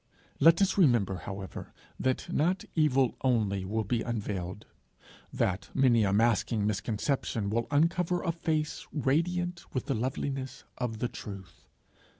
Let us remember, however, that not evil only will be unveiled; that many a masking misconception will uncover a face radiant with the loveliness of the truth.